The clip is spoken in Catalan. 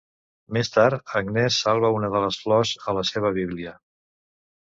Més tard Agnes salva una de les flors a la seva bíblia.